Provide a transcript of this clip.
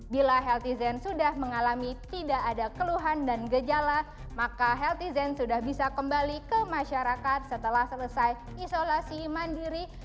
bila healthy zen sudah mengalami tidak ada keluhan dan gejala maka healthy zen sudah bisa kembali ke masyarakat setelah selesai isolasi mandiri